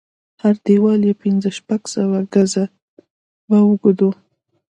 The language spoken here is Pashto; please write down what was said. هر دېوال يې پنځه شپږ سوه ګزه به اوږد و.